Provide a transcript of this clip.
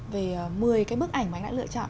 về một mươi cái bức ảnh mà anh đã lựa chọn